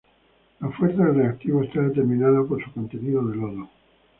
La fuerza del reactivo está determinada por su contenido de iodo.